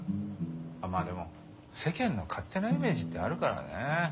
まあでも世間の勝手なイメージってあるからね。